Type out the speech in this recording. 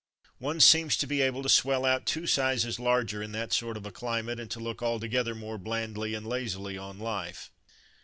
One seems to be able to swell out two sizes larger in that sort of a climate, and to look altogether more blandly and lazily on life.